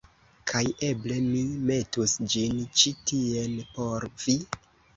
kaj eble mi metus ĝin ĉi tien por vi.